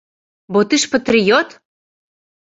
Бо ты ж патрыёт!